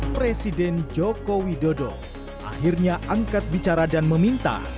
presiden joko widodo akhirnya angkat bicara dan meminta